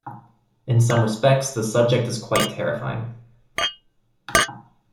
In some respects, the subject is quite terrifying.